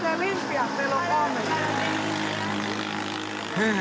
へえ。